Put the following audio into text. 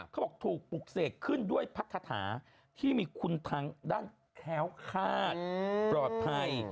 เขาบอกถูกปลุกเสกขึ้นด้วยพัฒนฐาที่มีคุณทางด้านแถวค่าปลอดภัย